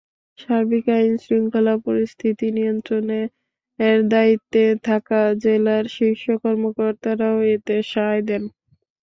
সার্বিক আইনশৃঙ্খলা পরিস্থিতি নিয়ন্ত্রণের দায়িত্বে থাকা জেলার শীর্ষ কর্মকর্তারাও এতে সায় দেন।